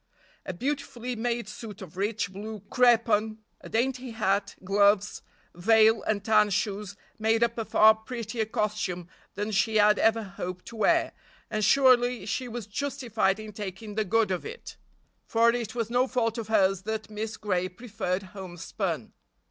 A beautifully made suit of rich, blue crepon, a dainty hat, gloves, veil and tan shoes made up a far prettier costume than she had ever hoped to wear, and surely she was justified in taking the good of it, for it was no fault of hers that Miss Gray preferred homespun.